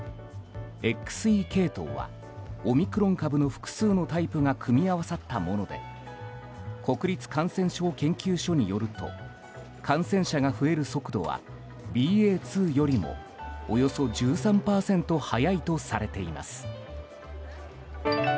ＸＥ系統はオミクロン株の複数のタイプが組み合わさったもので国立感染症研究所によると感染者が増える速度はＢＡ．２よりもおよそ１３％速いとされています。